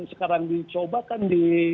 sekarang dicoba kan di